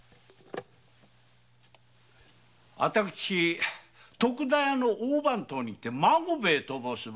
私徳田屋の大番頭にて孫兵衛と申す者。